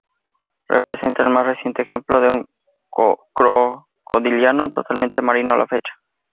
Representa el más reciente ejemplo de un crocodiliano totalmente marino a la fecha.